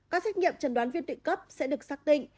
các xét nghiệm chẩn đoán viên tụy cấp sẽ được xác định